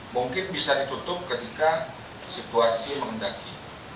mungkin bisa ditutup ketika situasi menghendaki